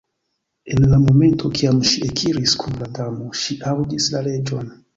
En la momento kiam ŝi ekiris kun la Damo, ŝi aŭdis la Reĝon.